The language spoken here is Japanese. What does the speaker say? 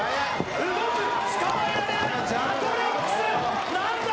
動くつかまえられないマトリックス何だ